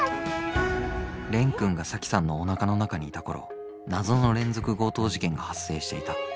蓮くんが沙樹さんのおなかの中にいた頃謎の連続強盗事件が発生していた。